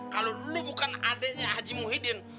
kalo lu bukan adeknya haji muhyiddin